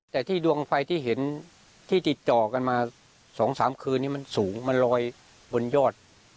แต่ที่ดวงไฟที่เห็นที่ติดต่อกันมา๒๓คืนนี้มันสูงมันลอยบนยอด